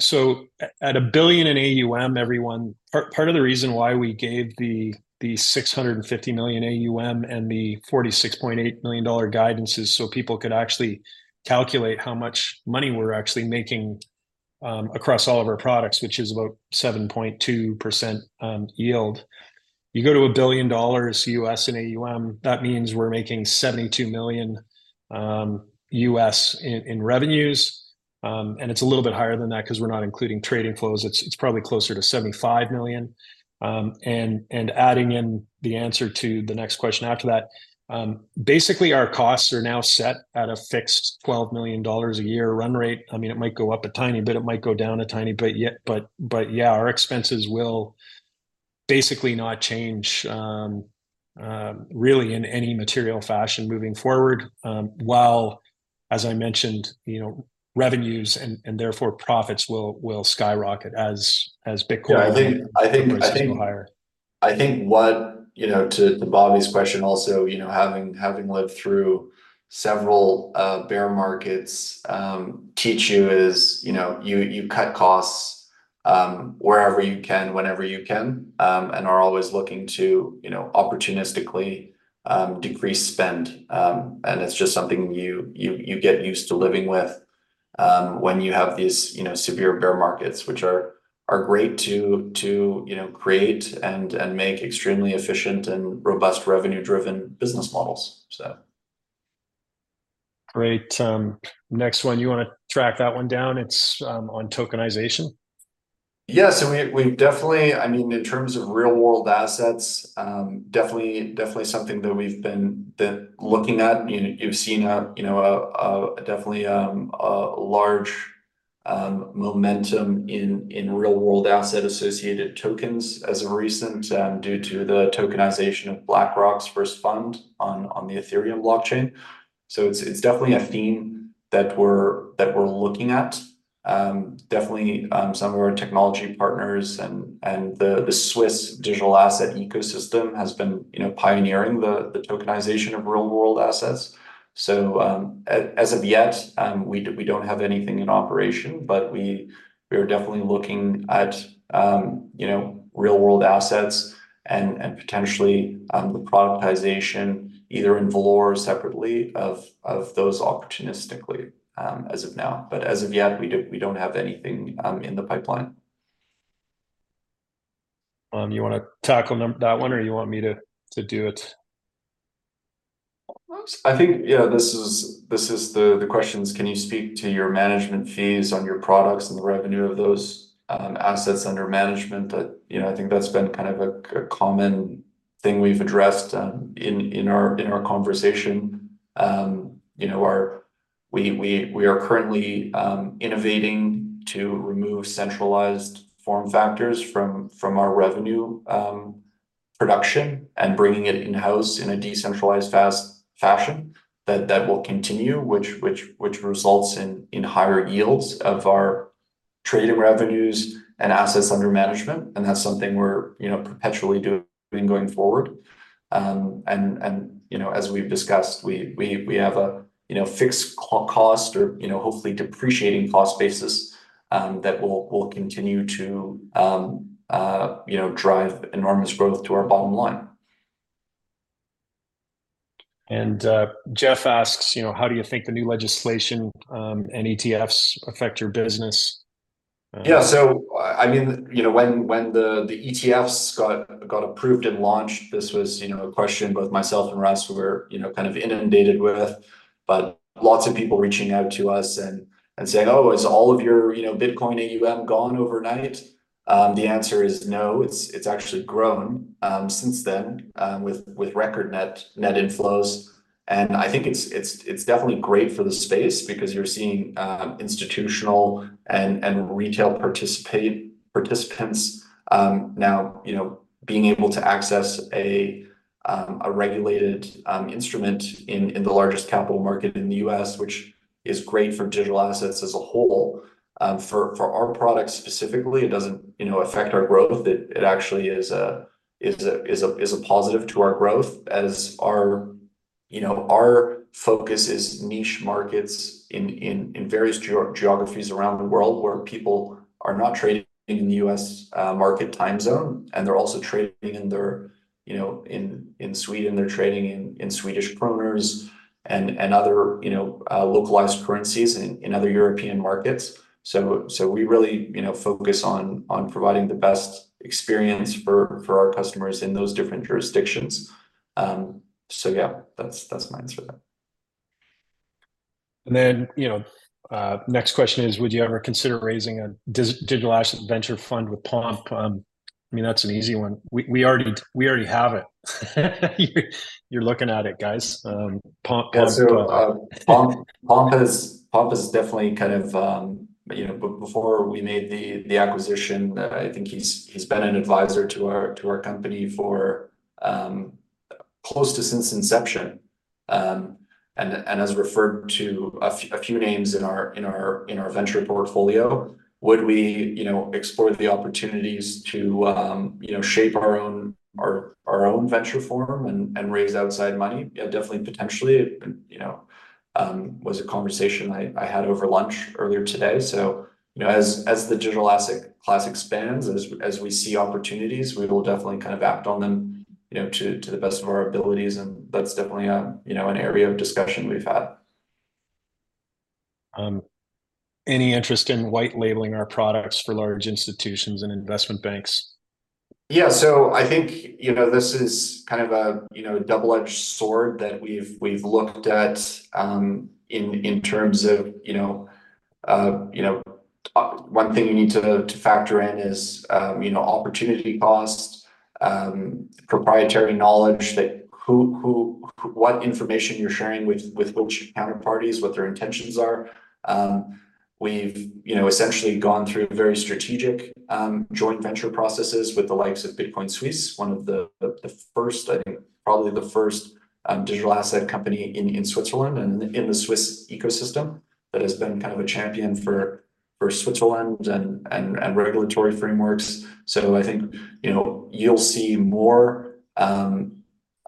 So at $1 billion in AUM, one part of the reason why we gave the $650 million AUM and the $46.8 million guidances so people could actually calculate how much money we're actually making, across all of our products, which is about 7.2% yield. You go to $1 billion in AUM, that means we're making $72 million in revenues. It's a little bit higher than that because we're not including trading flows. It's probably closer to $75 million. Adding in the answer to the next question after that, basically, our costs are now set at a fixed $12 million a year run rate. I mean, it might go up a tiny, but it might go down a tiny bit. But yeah, our expenses will basically not change, really in any material fashion moving forward. While, as I mentioned, you know, revenues and therefore profits will skyrocket as Bitcoin goes higher. Yeah. I think what, you know, to Bobby's question also, you know, having lived through several bear markets teaches you is, you know, you cut costs wherever you can, whenever you can, and are always looking to, you know, opportunistically decrease spend. And it's just something you get used to living with, when you have these, you know, severe bear markets, which are great to, you know, create and make extremely efficient and robust revenue-driven business models. So. Great. Next one. You want to track that one down? It's on tokenization. Yeah. So we definitely—I mean, in terms of real-world assets—definitely something that we've been looking at. You know, you've seen, you know, a definitely large momentum in real-world asset-associated tokens as of recent, due to the tokenization of BlackRock's first fund on the Ethereum blockchain. So it's definitely a theme that we're looking at. Definitely, some of our technology partners and the Swiss digital asset ecosystem has been, you know, pioneering the tokenization of real-world assets. So, as of yet, we don't have anything in operation, but we are definitely looking at, you know, real-world assets and potentially the productization either in Valour separately of those opportunistically, as of now. But as of yet, we don't have anything in the pipeline. You want to tackle that one, or you want me to do it? I think, yeah. This is the questions. Can you speak to your management fees on your products and the revenue of those, assets under management? You know, I think that's been kind of a common thing we've addressed in our conversation. You know, we are currently innovating to remove centralized form factors from our revenue production and bringing it in-house in a decentralized fast fashion that will continue, which results in higher yields of our trading revenues and assets under management. And that's something we're, you know, perpetually doing going forward. And you know, as we've discussed, we have a fixed cost or, you know, hopefully depreciating cost basis that will continue to drive enormous growth to our bottom line. Jeff asks, you know, how do you think the new legislation, and ETFs affect your business? Yeah. So, I mean, you know, when the ETFs got approved and launched, this was, you know, a question both myself and Russ were, you know, kind of inundated with, but lots of people reaching out to us and saying, "Oh, is all of your, you know, Bitcoin AUM gone overnight?" The answer is no. It's actually grown since then with record net inflows. And I think it's definitely great for the space because you're seeing institutional and retail participants now being able to access a regulated instrument in the largest capital market in the U.S., which is great for digital assets as a whole. For our products specifically, it doesn't affect our growth. It actually is a positive to our growth as our, you know, our focus is niche markets in various geographies around the world where people are not trading in the U.S. market time zone, and they're also trading in their, you know, in Sweden, they're trading in Swedish kronor and other, you know, localized currencies in other European markets. So we really, you know, focus on providing the best experience for our customers in those different jurisdictions. So yeah, that's my answer to that. Then, you know, next question is, would you ever consider raising a digital asset venture fund with Pomp? I mean, that's an easy one. We already have it. You're looking at it, guys. Pomp, Pomp, Yeah. So, Pomp has definitely kind of, you know, before we made the acquisition, I think he's been an advisor to our company for close to since inception. And as referred to a few names in our venture portfolio, would we, you know, explore the opportunities to, you know, shape our own venture fund and raise outside money? Yeah, definitely potentially. And was a conversation I had over lunch earlier today. So, you know, as the digital asset class expands, as we see opportunities, we will definitely kind of act on them, you know, to the best of our abilities. And that's definitely an area of discussion we've had. Any interest in white labeling our products for large institutions and investment banks? Yeah. So I think, you know, this is kind of a, you know, double-edged sword that we've looked at, in terms of, you know, one thing you need to factor in is, you know, opportunity cost, proprietary knowledge that who what information you're sharing with which counterparties, what their intentions are. We've, you know, essentially gone through very strategic joint venture processes with the likes of Bitcoin Suisse, one of the first, I think, probably the first, digital asset company in Switzerland and in the Swiss ecosystem that has been kind of a champion for Switzerland and regulatory frameworks. So I think, you know, you'll see more, you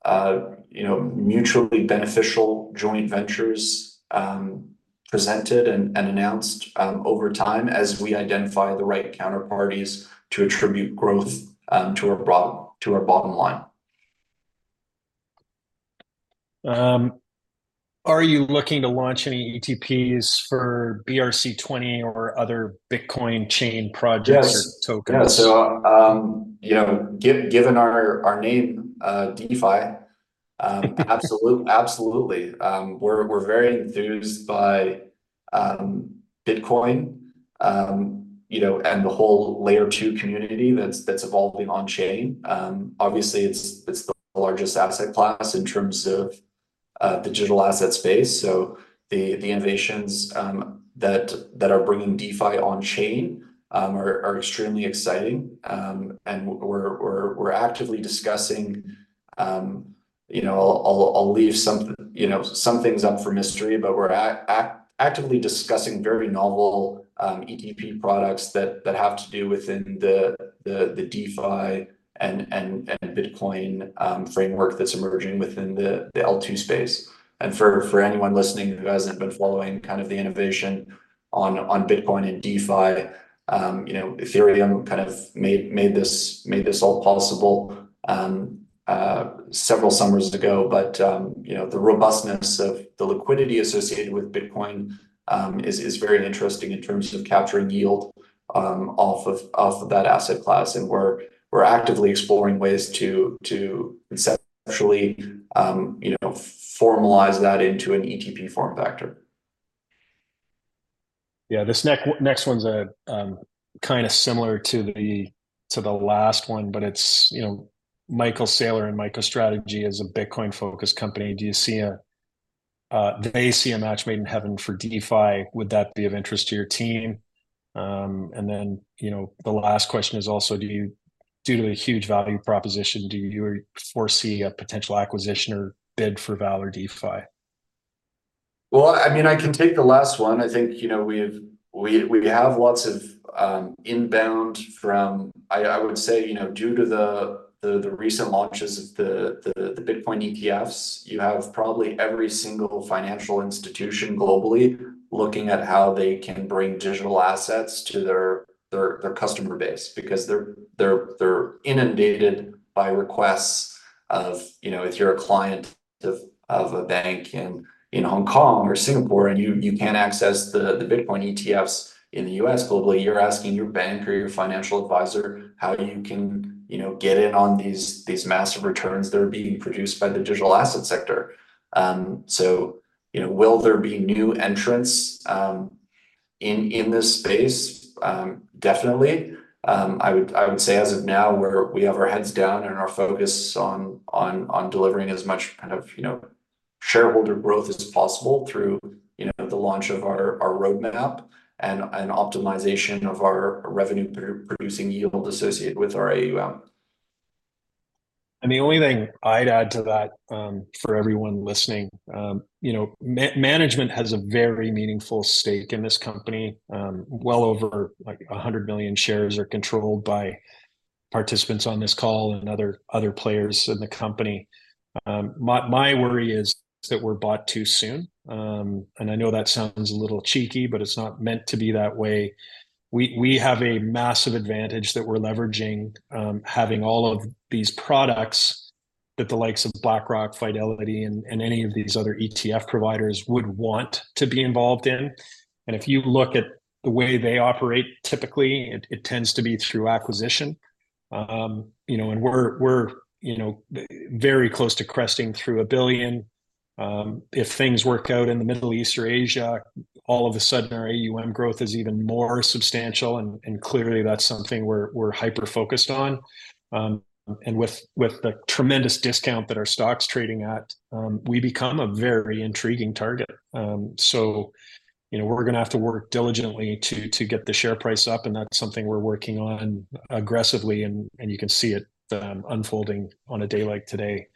know, mutually beneficial joint ventures presented and announced over time as we identify the right counterparties to attribute growth to our bottom line. Are you looking to launch any ETPs for BRC-20 or other Bitcoin chain projects or tokens? Yes. Yeah. So, you know, given our name, DeFi, absolutely. We're very enthused by Bitcoin, you know, and the whole layer two community that's evolving on chain. Obviously, it's the largest asset class in terms of the digital asset space. So the innovations that are bringing DeFi on chain are extremely exciting. And we're actively discussing, you know, I'll leave some things up for mystery, but we're actively discussing very novel ETP products that have to do within the DeFi and Bitcoin framework that's emerging within the L2 space. And for anyone listening who hasn't been following kind of the innovation on Bitcoin and DeFi, you know, Ethereum kind of made this all possible, several summers ago. But, you know, the robustness of the liquidity associated with Bitcoin is very interesting in terms of capturing yield off of that asset class. And we're actively exploring ways to conceptually, you know, formalize that into an ETP form factor. Yeah. This next one's kind of similar to the last one, but it's, you know, Michael Saylor and MicroStrategy is a Bitcoin-focused company. Do you see, they see a match made in heaven for DeFi? Would that be of interest to your team? And then, you know, the last question is also, do you, due to the huge value proposition, do you foresee a potential acquisition or bid for Valour DeFi? Well, I mean, I can take the last one. I think, you know, we've we have lots of inbound from I would say, you know, due to the recent launches of the Bitcoin ETFs, you have probably every single financial institution globally looking at how they can bring digital assets to their customer base because they're inundated by requests of, you know, if you're a client of a bank in Hong Kong or Singapore, and you can't access the Bitcoin ETFs in the U.S. globally, you're asking your bank or your financial advisor how you can, you know, get in on these massive returns that are being produced by the digital asset sector. So, you know, will there be new entrants in this space? Definitely. I would say as of now, we have our heads down and our focus on delivering as much kind of, you know, shareholder growth as possible through, you know, the launch of our roadmap and optimization of our revenue-producing yield associated with our AUM. And the only thing I'd add to that, for everyone listening, you know, management has a very meaningful stake in this company. Well over, like, 100 million shares are controlled by participants on this call and other, other players in the company. My, my worry is that we're bought too soon. And I know that sounds a little cheeky, but it's not meant to be that way. We, we have a massive advantage that we're leveraging, having all of these products that the likes of BlackRock, Fidelity, and, and any of these other ETF providers would want to be involved in. And if you look at the way they operate, typically, it, it tends to be through acquisition. You know, and we're, we're, you know, very close to cresting through $1 billion. If things work out in the Middle East or Asia, all of a sudden, our AUM growth is even more substantial. And, and clearly, that's something we're, we're hyper-focused on. And with, with the tremendous discount that our stock's trading at, we become a very intriguing target. So, you know, we're going to have to work diligently to, to get the share price up. And that's something we're working on aggressively. And, and you can see it unfolding on a day like today.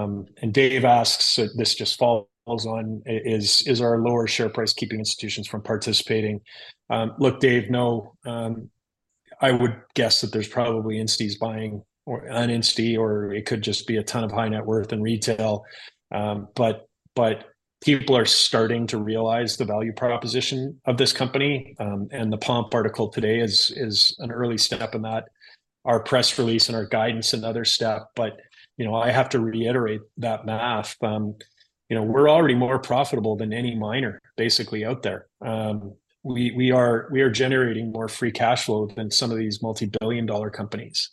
And Dave asks this just falls on is, is our lower share price keeping institutions from participating? Look, Dave, no. I would guess that there's probably institutional buying or an institution, or it could just be a ton of high net worth in retail. But, but people are starting to realize the value proposition of this company. The Pomp article today is, is an early step in that, our press release and our guidance and other step. But, you know, I have to reiterate that math. You know, we're already more profitable than any miner, basically, out there. We, we are we are generating more free cash flow than some of these multibillion-dollar companies.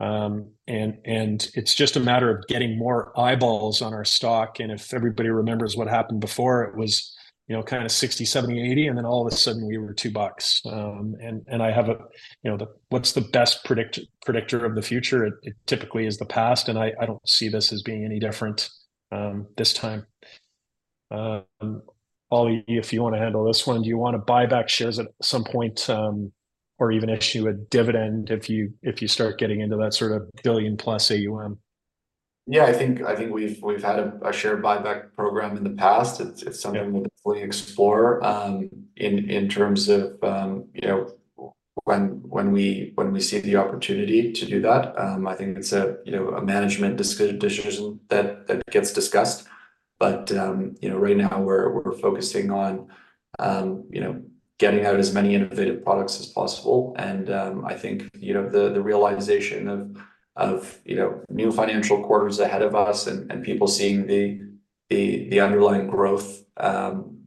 And, and it's just a matter of getting more eyeballs on our stock. And if everybody remembers what happened before, it was, you know, kind of 60, 70, 80, and then all of a sudden, we were $2. And, and I have a you know, the what's the best predictor predictor of the future? It typically is the past. And I, I don't see this as being any different, this time. Ollie, if you want to handle this one, do you want to buy back shares at some point, or even issue a dividend if you start getting into that sort of billion-plus AUM? Yeah. I think we've had a share buyback program in the past. It's something we'll definitely explore, in terms of, you know, when we see the opportunity to do that. I think it's a, you know, a management decision that gets discussed. But, you know, right now, we're focusing on, you know, getting out as many innovative products as possible. And, I think, you know, the realization of, you know, new financial quarters ahead of us and people seeing the underlying growth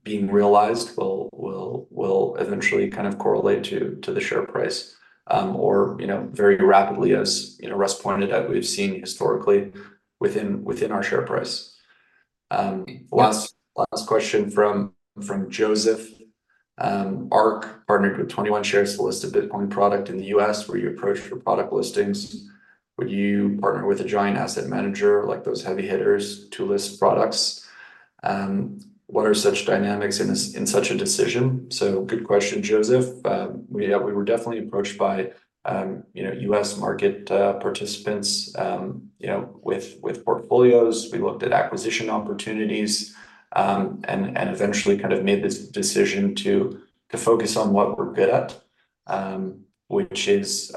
being realized will eventually kind of correlate to the share price, or, you know, very rapidly, as, you know, Russ pointed out, we've seen historically within our share price. Last question from Joseph. ARK partnered with 21Shares, listed Bitcoin product in the U.S. Were you approached for product listings? Would you partner with a giant asset manager like those heavy hitters to list products? What are such dynamics in such a decision? So good question, Joseph. We yeah, we were definitely approached by, you know, U.S. market participants, you know, with, with portfolios. We looked at acquisition opportunities, and eventually kind of made this decision to focus on what we're good at, which is,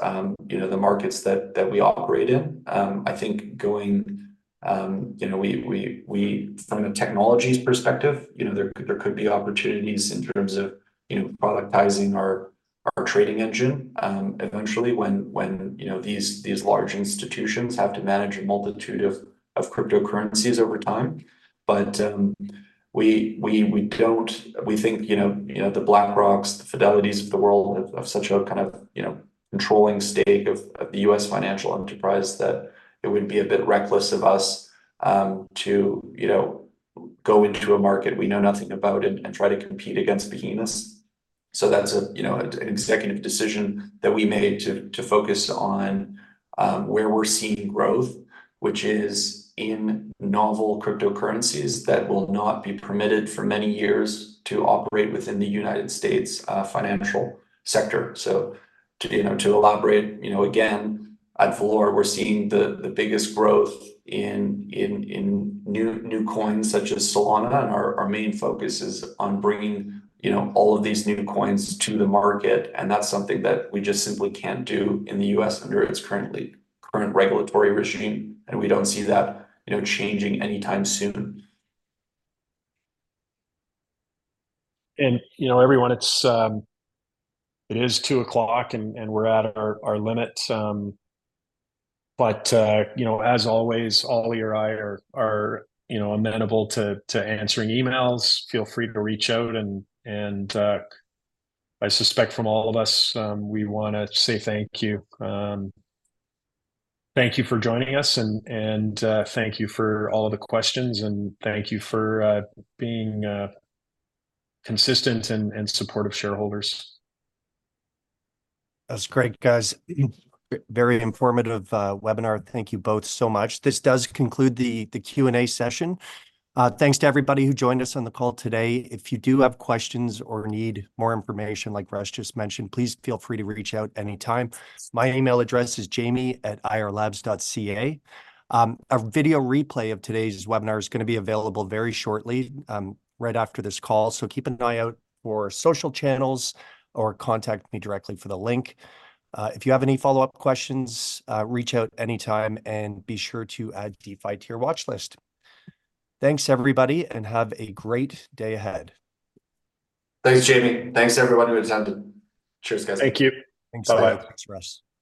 you know, the markets that we operate in. I think going you know, we from a technologies perspective, you know, there could be opportunities in terms of, you know, productizing our trading engine, eventually when you know, these large institutions have to manage a multitude of cryptocurrencies over time. But we don't think, you know, the BlackRocks, the Fidelities of the world have such a kind of, you know, controlling stake of the U.S. financial enterprise that it would be a bit reckless of us to, you know, go into a market we know nothing about and try to compete against behemoths. So that's a, you know, an executive decision that we made to focus on where we're seeing growth, which is in novel cryptocurrencies that will not be permitted for many years to operate within the United States financial sector. So to, you know, to elaborate, you know, again, at Valour, we're seeing the biggest growth in new coins such as Solana. And our main focus is on bringing, you know, all of these new coins to the market. That's something that we just simply can't do in the U.S. under its current regulatory regime. We don't see that, you know, changing anytime soon. You know, everyone, it is 2:00 P.M., and we're at our limit. But you know, as always, Ollie or I are you know, amenable to answering emails. Feel free to reach out. And I suspect from all of us, we want to say thank you. Thank you for joining us. And thank you for all of the questions. And thank you for being consistent and supportive shareholders. That was great, guys. Very informative webinar. Thank you both so much. This does conclude the Q&A session. Thanks to everybody who joined us on the call today. If you do have questions or need more information, like Russ just mentioned, please feel free to reach out anytime. My email address is jamie@irlabs.ca. A video replay of today's webinar is going to be available very shortly, right after this call. So keep an eye out for social channels or contact me directly for the link. If you have any follow-up questions, reach out anytime and be sure to add DeFi to your watchlist. Thanks, everybody, and have a great day ahead. Thanks, Jamie. Thanks, everyone who attended. Cheers, guys. Thank you. Thanks. Bye-bye. Thanks, Russ.